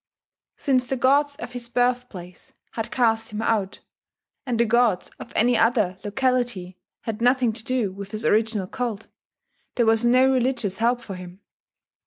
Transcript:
Since the gods of his birthplace had cast him out, and the gods of any other locality had nothing to do with his original cult, there was no religious help for him.